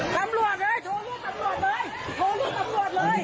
ตำรวจเฮ้ยโทรรูปตำรวจเลย